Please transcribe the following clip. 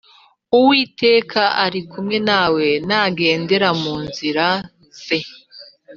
Uwiteka arikumwe nawe nagendera mu nzira ze.